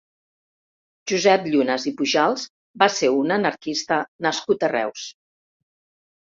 Josep Llunas i Pujals va ser un anarquista nascut a Reus.